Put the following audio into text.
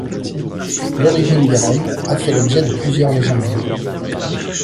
L'origine des Roms a fait l'objet de plusieurs légendes.